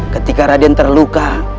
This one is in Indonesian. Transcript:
ketika raden terluka